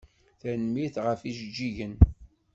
Tanemmirt ɣef ijeǧǧigen.